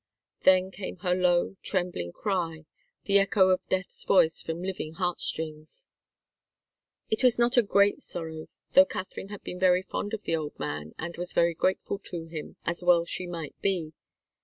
Then came her low, trembling cry, the echo of death's voice from living heartstrings. It was not a great sorrow, though Katharine had been very fond of the old man and was very grateful to him, as well she might be.